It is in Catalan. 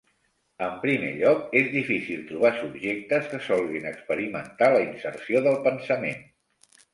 En primer lloc, és difícil trobar subjectes que solguin experimentar la inserció del pensament.